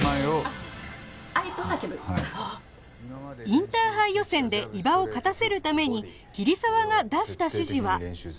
インターハイ予選で伊庭を勝たせるために桐沢が出した指示は